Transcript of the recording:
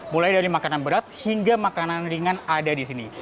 mulai dari makanan berat hingga makanan ringan ada di sini